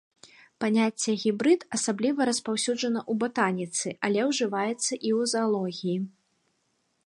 Паняцце гібрыд асабліва распаўсюджана ў батаніцы, але ўжываецца і ў заалогіі.